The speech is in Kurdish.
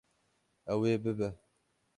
Ew ê bibe.